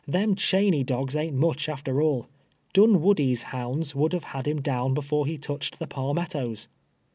Them Cheney doi^s ain't much, after all. ])unwoQdie's liounds would have had him down heft 're he touched the pal mettoes.